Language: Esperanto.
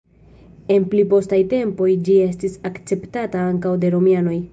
En pli postaj tempoj ĝi estis akceptata ankaŭ de romianoj.